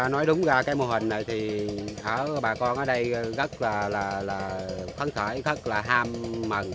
nói đúng ra cái mô hình này thì bà con ở đây rất là phấn khởi rất là ham mừng